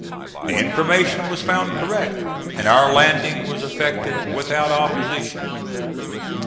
The information was found correct, and our landing was effected without opposition.